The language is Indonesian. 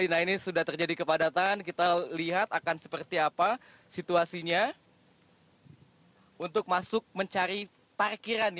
nah ini sudah terjadi kepadatan kita lihat akan seperti apa situasinya untuk masuk mencari parkiran